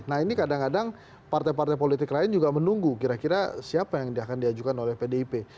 nah ini kadang kadang partai partai politik lain juga menunggu kira kira siapa yang akan diajukan oleh pdip